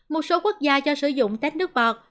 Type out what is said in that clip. một số quốc gia cho sử dụng tét nước bọt